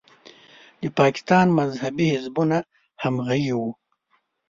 د پاکستان مذهبي حزبونه همغږي وو.